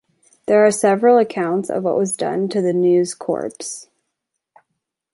There are several accounts of what was done to the nue's corpse.